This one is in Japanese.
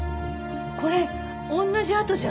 これ同じ痕じゃ。